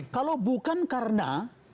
kalau bukan karena